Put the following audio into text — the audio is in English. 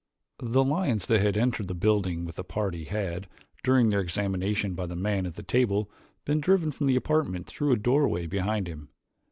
The lions that had entered the building with the party had, during their examination by the man at the table, been driven from the apartment through a doorway behind him.